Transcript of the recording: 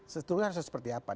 strukturnya harusnya seperti apa